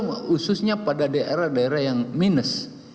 khususnya pada daerah daerah yang minus